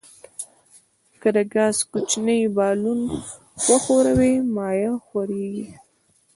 که د ګاز کوچنی بالون وښوروئ مایع ښوریږي.